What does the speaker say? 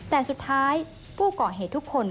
แต่สุดท้ายผู้ก่อเหตุทุกคน